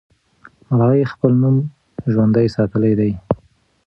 ملالۍ خپل نوم ژوندی ساتلی دی.